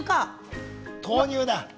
豆乳だ。